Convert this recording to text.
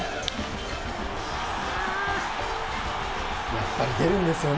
やっぱり出るんですよね